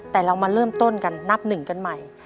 แต่เรามาเริ่มต้นกันนับหนึ่งกันใหม่